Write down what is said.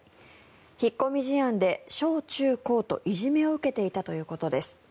引っ込み思案で小中高といじめを受けていたということです。